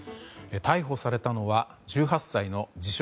逮捕されたのは１８歳の自称